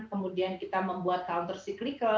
kemudian kita membuat counter cyclical